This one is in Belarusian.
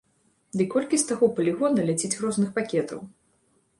Ды й колькі з таго палігона ляціць розных пакетаў!